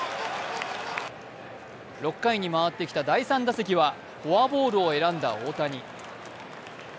６回に回ってきた第３打席はフォアボールを選んだ大谷。